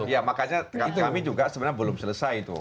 ya makanya kami juga sebenarnya belum selesai itu